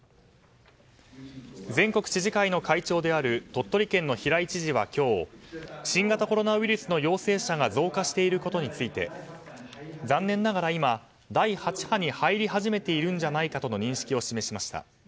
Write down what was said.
全国知事会の会長である鳥取県の平井知事は今日新型コロナウイルスの陽性者が増加していることについて残念ながら今、第８波に入り始めているんじゃないかとの認識を示しました。